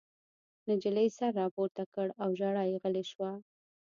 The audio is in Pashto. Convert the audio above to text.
نجلۍ سر راپورته کړ او ژړا یې غلې شوه